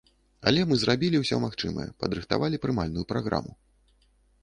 Але мы зрабілі ўсё магчымае, падрыхтавалі прымальную праграму.